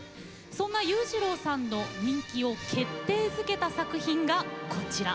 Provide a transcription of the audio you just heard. そんな裕次郎さんの人気を決定づけた作品が、こちら。